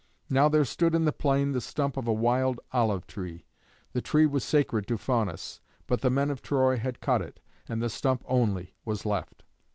Now there stood in the plain the stump of a wild olive tree. The tree was sacred to Faunus, but the men of Troy had cut it, and the stump only was left.